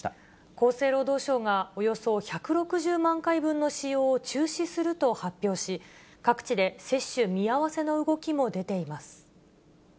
厚生労働省が、およそ１６０万回分の使用を中止すると発表し、各地で接種見合わせの動きも出ています。